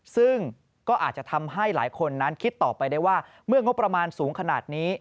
ซึ่งก็อาจจะทำให้หลายคนนั้นคิดต่อไปได้ว่าเมื่องบประมาณสูงขนาดนี้